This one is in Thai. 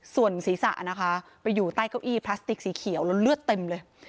ส่วนศีรษะนะคะไปอยู่ใต้เก้าอี้พลาสติกสีเขียวแล้วเลือดเต็มเลย